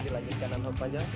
di lanjutkan dan hook panjang